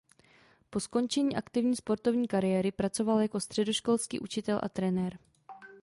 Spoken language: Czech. Po skončení aktivní sportovní kariéry pracoval jako středoškolský učitel a trenér.